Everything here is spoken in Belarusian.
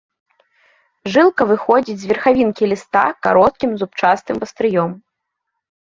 Жылка выходзіць з верхавінкі ліста кароткім зубчастым вастрыём.